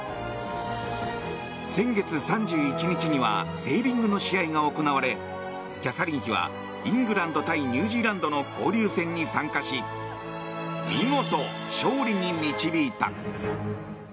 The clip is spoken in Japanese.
先月３１日にはセーリングの試合が行われキャサリン妃はイングランド対ニュージーランドの交流戦に参加し見事、勝利に導いた。